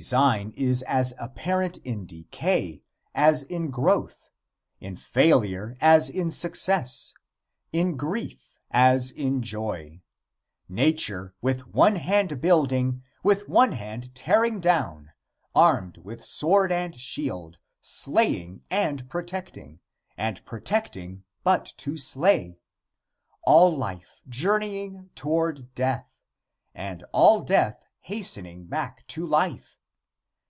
Design is as apparent in decay, as in growth; in failure, as in success; in grief, as in joy. Nature with one hand building, with one hand tearing down, armed with sword and shield slaying and protecting, and protecting but to slay. All life journeying toward death, and all death hastening back to life.